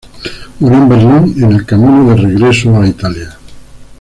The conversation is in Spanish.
Murió en Berlín en el camino de regreso a Italia.